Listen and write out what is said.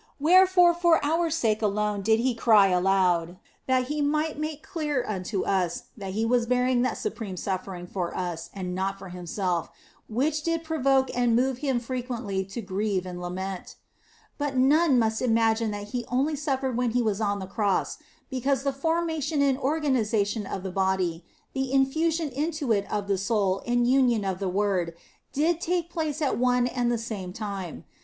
Where fore for our sake alone did He cry aloud, that He might make it clear unto us that He was bearing that supreme suffering for us and not for Himself, which did provoke and move Him frequently to grieve and lament. But none must imagine that He only suffered when He was on the Cross ; because the formation and organisation of the body, the infusion into it of the soul and union of the Word, did take place at one and the same time.